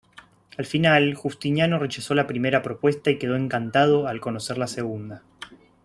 Al final, Justiniano rechazó la primera propuesta y quedó encantado al conocer la segunda.